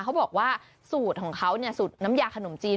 เขาบอกว่าสูตรของเขาเนี่ยสูตรน้ำยาขนมจีน